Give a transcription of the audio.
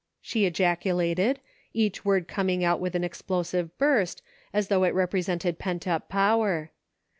she ejaculated, each word coming out with a little explosive burst, as though it represented pent up power.